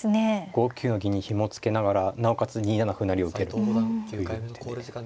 ５九の銀にひもを付けながらなおかつ２七歩成を受けるという手で。